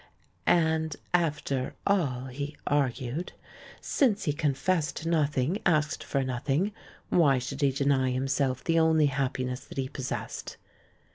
And, after all, he argued, since he confessed nothing, asked for nothing, why should he deny himself the only happiness that he possessed?